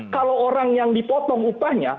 kalau orang yang dipotong upahnya